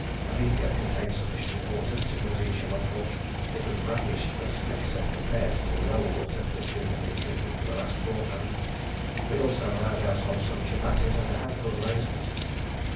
A beaker contained sufficient water to give us each a mugful. It was brackish, but nectar compared to the well water which we had been drinking for the last fortnight. We also allowed ourselves some chupatties and a handful of raisins.